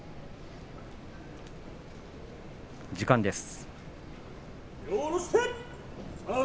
時間です。